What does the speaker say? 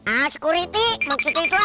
ah sekuriti maksudnya itulah